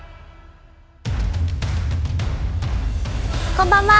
こんばんは。